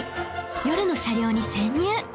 夜の車両に潜入